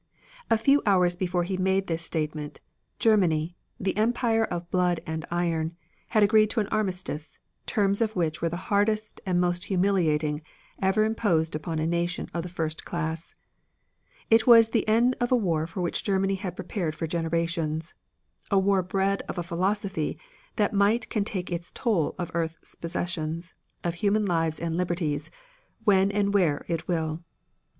A few hours before he made this statement, Germany, the empire of blood and iron, had agreed to an armistice, terms of which were the hardest and most humiliating ever imposed upon a nation of the first class. It was the end of a war for which Germany had prepared for generations, a war bred of a philosophy that Might can take its toll of earth's possessions, of human lives and liberties, when and where it will.